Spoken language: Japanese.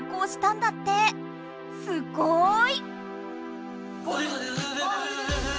すごい！